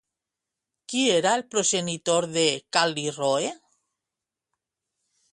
Qui era el progenitor de Cal·lírroe?